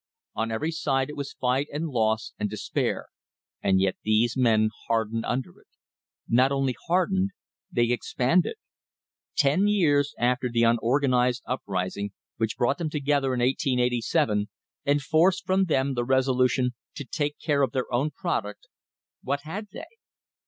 On every side it was fight and loss and despair, and yet these men hardened under it. Not only hardened, they expanded. Ten years after the unorganised uprising which brought them together in 1887 and forced from them the resolution to take care of their own product, what had they?